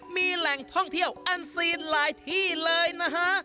มีแหล่งท่องเที่ยวอันซีนหลายที่เลยนะฮะ